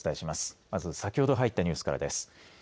まず、先ほど入ったニュースからです。